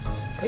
dari pak randy